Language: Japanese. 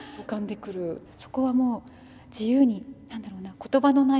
そこはもう自由に何だろうな言葉のない